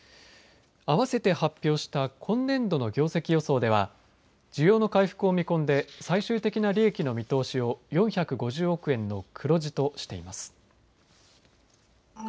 あわせて発表した今年度の業績予想では需要の回復を見込んで最終的な利益の見通しを４５０億円の黒字としています。